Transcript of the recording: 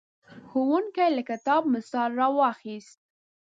ښوونکی له کتاب مثال راواخیست.